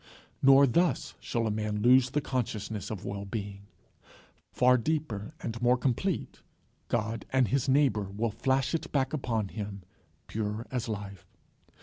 Nor thus shall a man lose the consciousness of well being. Far deeper and more complete, God and his neighbour will flash it back upon him pure as life.